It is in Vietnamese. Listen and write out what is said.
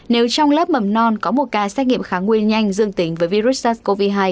nếu trong lớp mầm non có một ca xét nghiệm kháng nguyên nhanh dương tính với virus sars cov hai